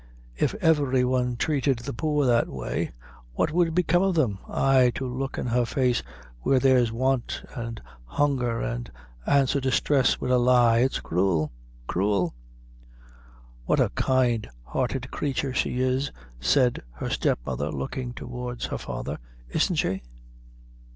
If every one treated the poor that way, what would become of them? Ay, to look in her face, where there's want an' hunger, and answer distress wid a lie it's cruel cruel!" "What a kind hearted creature she is," said her step mother, looking towards her father "isn't she?"